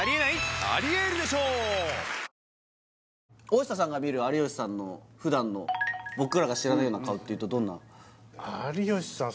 大下さんが見る有吉さんのふだんの僕らが知らないような顔有吉さん